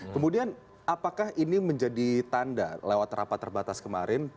kemudian apakah ini menjadi tanda lewat rapat terbatas kemarin